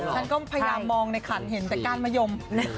ฉันก็พยายามมองในขันเห็นแต่ก้านมะยม